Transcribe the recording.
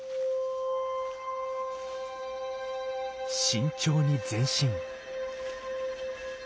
慎重に前進。